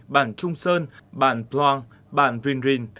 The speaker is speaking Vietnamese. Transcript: bản trung sơn bản plong bản vinh rinh